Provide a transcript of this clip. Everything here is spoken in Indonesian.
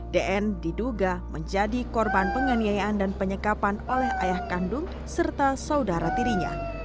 dn diduga menjadi korban penganiayaan dan penyekapan oleh ayah kandung serta saudara tirinya